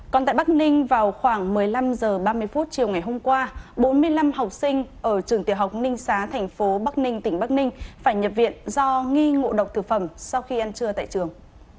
còn tại bắc ninh vào khoảng một mươi năm h ba mươi chiều ngày hôm qua bốn mươi năm học sinh ở trường tiểu học ninh xá thành phố bắc ninh tỉnh bắc ninh phải nhập viện do nghi ngộ độc thực phẩm sau khi ăn trưa tại trường